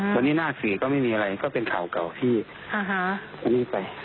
หลังผมนี่หน้าศีรก็ไม่มีไรก็เป็นคร่าวเก่าที่อ่าฮะจะไป